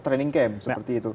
training camp seperti itu